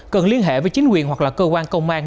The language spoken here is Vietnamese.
cần liên hệ với chính quyền hoặc là cơ quan công an